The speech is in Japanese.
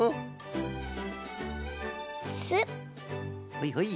ほいほい。